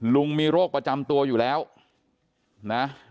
มีโรคประจำตัวอยู่แล้วนะ